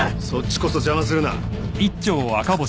そっちこそ邪魔するな。